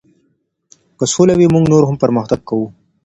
که سوله وي موږ نور هم پرمختګ کوو.